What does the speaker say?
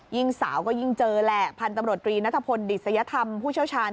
สาวก็ยิ่งเจอแหละพันธุ์ตำรวจตรีนัทพลดิษยธรรมผู้เชี่ยวชาญ